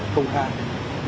trong đoạn phó hoa